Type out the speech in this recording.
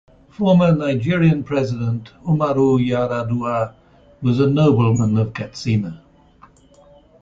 Former Nigerian President Umaru Yar'Adua was a nobleman of Katsina.